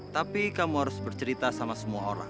tapi kamu harus bercerita sama semua orang